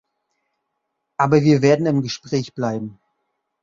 Aber wir werden im Gespräch bleiben.